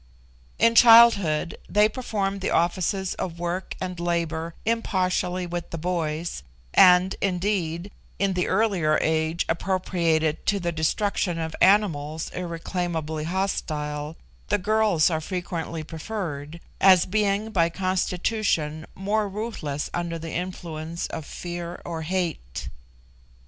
In childhood they perform the offices of work and labour impartially with the boys, and, indeed, in the earlier age appropriated to the destruction of animals irreclaimably hostile, the girls are frequently preferred, as being by constitution more ruthless under the influence of fear or hate.